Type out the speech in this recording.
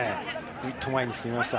ぐいっと前に進みました。